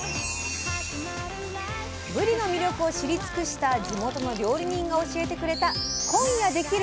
ぶりの魅力を知り尽くした地元の料理人が教えてくれた今夜できる！